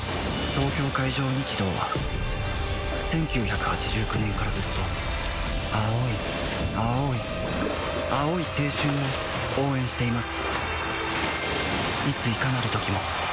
東京海上日動は１９８９年からずっと青い青い青い青春を応援しています